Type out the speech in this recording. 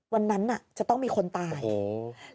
วันนั้นน่ะจะต้องมีคนตายอืม